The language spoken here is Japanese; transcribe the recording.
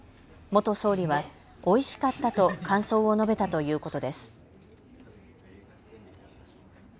元総理はおいしかったと感想を述べたということです。